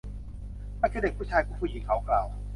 มันคือเด็กผู้ชาย คุณผู้หญิง เขากล่าว